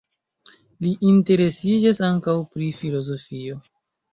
Li interesiĝas ankaŭ pri filozofio.